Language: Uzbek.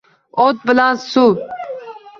O’t bilan suv